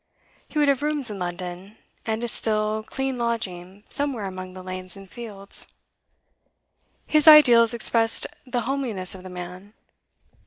He would have rooms in London, and a still, clean lodging somewhere among the lanes and fields. His ideals expressed the homeliness of the man.